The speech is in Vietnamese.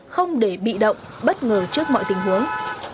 không để bị động bất ngờ trước mọi tình huống